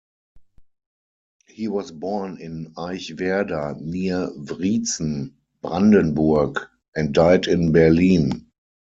He was born in Eichwerder near Wriezen, Brandenburg, and died in Berlin.